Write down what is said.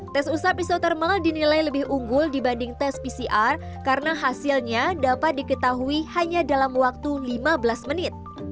tes usap isotermal dinilai lebih unggul dibanding tes pcr karena hasilnya dapat diketahui hanya dalam waktu lima belas menit